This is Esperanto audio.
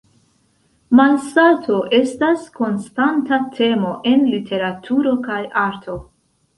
Malsato estas konstanta temo en literaturo kaj arto.